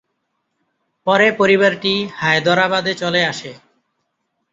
পরে পরিবারটি হায়দরাবাদে চলে আসে।